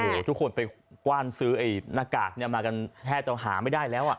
โอ้โหทุกคนไปกว้านซื้อไอ้หน้ากากมากันแทบจะหาไม่ได้แล้วอ่ะ